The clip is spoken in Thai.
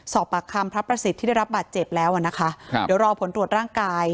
สอบปากคำพระประสิทธิ์ที่ได้รับบาดเจ็บแล้วอ่ะนะคะครับเดี๋ยวรอผลตรวจร่างกาย